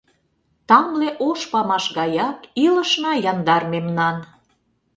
Тамле ош памаш гаяк Илышна яндар мемнан.